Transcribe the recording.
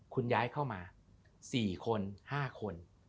คุณย้ายเข้ามา๔คน๕คน